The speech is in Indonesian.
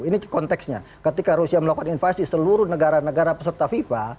ini konteksnya ketika rusia melakukan invasi seluruh negara negara peserta fifa